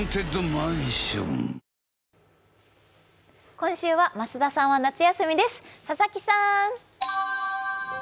今週は増田さんは夏休みです佐々木さん。